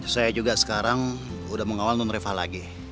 saya juga sekarang udah mengawal non refa lagi